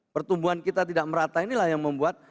pertumbuhan kita tidak merata inilah yang membuat